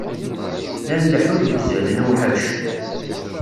La nleḥḥu deg uzal, newḥec.